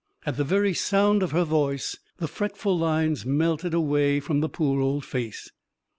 At the very sound of her voice the fretful lines melted away from the poor old face.